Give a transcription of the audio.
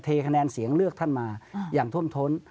คะแนนเสียงเลือกท่านมาอย่างท่วมท้น